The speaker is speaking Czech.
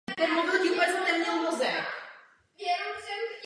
Tvořil v ateliéru na pražském Novém Světě na Hradčanech.